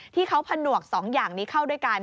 ที่เขาผนวก๒อย่างนี้เข้าด้วยกัน